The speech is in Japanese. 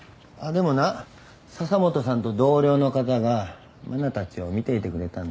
でもな笹本さんと同僚の方が真菜たちを見ていてくれたんだ。